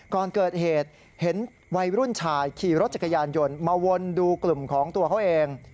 ก่อนเกิดเหตุเห็นวัยรุ่นชายขี่รถจักรยานยนต์มาวนดูกลุ่มของตัวเขาเอง